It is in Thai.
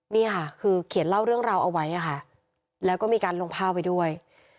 นี่ค่ะคือเขียนเล่าเรื่องราวเอาไว้ค่ะแล้วก็มีการลงภาพไว้ด้วย